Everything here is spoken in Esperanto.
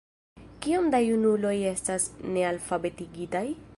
Kiom da junuloj estas nealfabetigitaj?